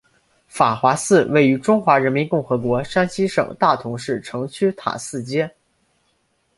法华寺位于中华人民共和国山西省大同市城区塔寺街。